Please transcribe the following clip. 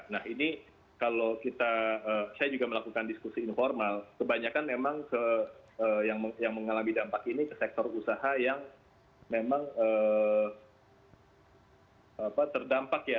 nah ini kalau kita saya juga melakukan diskusi informal kebanyakan memang yang mengalami dampak ini ke sektor usaha yang memang terdampak ya